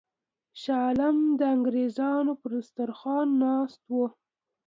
شاه عالم د انګرېزانو پر سترخوان ناست وو.